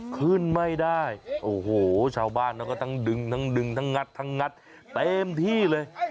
ขึ้นไม่ได้โอ้โหชาวบ้านแล้วก็ทั้งดึงทั้งดึงทั้งงัดทั้งงัดเต็มที่เลย